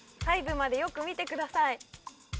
細部までよく見てください。